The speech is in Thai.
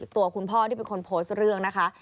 ตัวคุณพ่อที่เป็นคนโพสต์เรื่องนะคะ